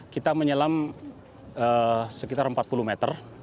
kita menyelam sekitar empat puluh meter